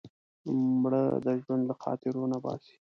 مړه د ژوند له خاطرو نه باسې